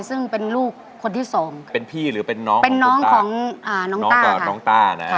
ซึ่งเป็นลูกคนที่สองเป็นพี่หรือเป็นน้องเป็นน้องของน้องต้านะฮะ